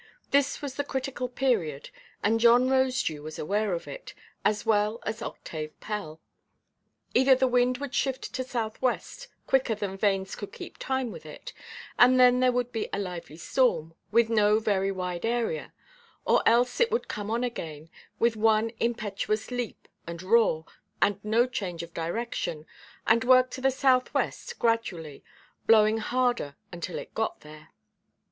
This was the critical period, and John Rosedew was aware of it, as well as Octave Pell. Either the wind would shift to south–west quicker than vanes could keep time with it, and then there would be a lively storm, with no very wide area; or else it would come on again with one impetuous leap and roar, and no change of direction, and work to the south–west gradually, blowing harder until it got there.